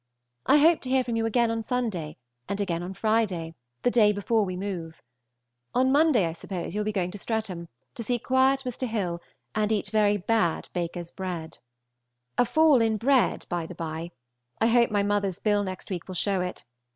I hope to hear from you again on Sunday and again on Friday, the day before we move. On Monday, I suppose, you will be going to Streatham, to see quiet Mr. Hill and eat very bad baker's bread. A fall in bread by the by. I hope my mother's bill next week will show it.